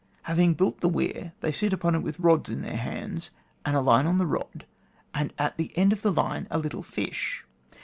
Having built the weir they sit upon it with rods in their hands, and a line on the rod, and at the end of the line a little fish.